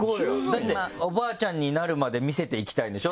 だっておばあちゃんになるまで見せていきたいんでしょ？